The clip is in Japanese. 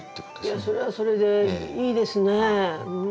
いやそれはそれでいいですね。